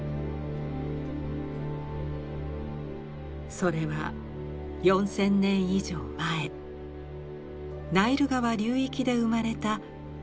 それは４，０００年以上前ナイル川流域で生まれた文明の遺産です。